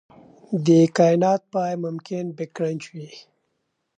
د کائنات پای ممکن بیګ کرنچ وي.